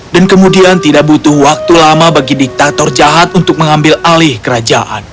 dan kemudian tidak butuh waktu lama bagi diktator jahat untuk mengambil alih kerajaan